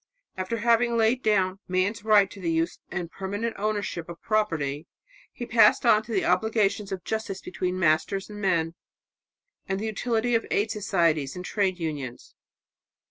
After having laid down man's right to the use and permanent ownership of property, he passed on to the obligations of justice between masters and men, and the utility of aid societies and trades unions.